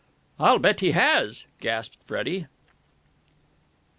"I'll bet he has!" gasped Freddie.